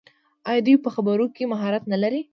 آیا دوی په خبرو کې مهارت نلري؟